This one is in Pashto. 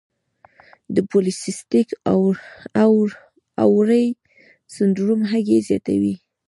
د پولی سیسټک اووری سنډروم هګۍ زیاتوي.